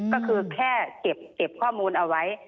ก็คือแค่เก็บข้อมูลเอาไว้